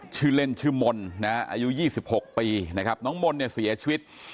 ชื่อเล่นชื่อมนต์นะฮะอายุ๒๖ปีนะครับน้องมนต์เนี่ยเสียชีวิต